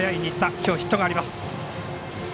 きょうヒットがあります。